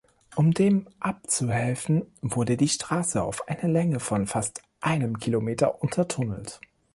Um dem abzuhelfen wurde die Straße auf eine Länge von fast einem Kilometer untertunnelt.